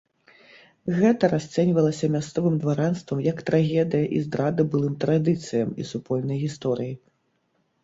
Гэта расцэньвалася мясцовым дваранствам як трагедыя і здрада былым традыцыям і супольнай гісторыі.